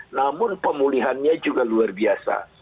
namun pemulihannya juga luar biasa